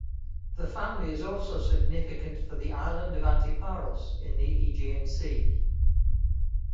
The family is also significant for the island of Antiparos in the Aegean Sea.